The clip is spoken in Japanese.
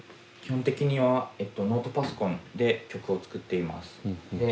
基本的にはノートパソコンで曲を作っています。